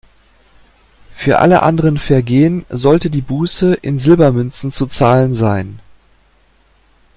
Für alle anderen Vergehen sollte die Buße in Silbermünzen zu zahlen sein.